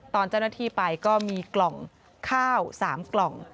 ตอนเจ้าหน้าที่ไปก็มีกล่องข้าว๓กล่อง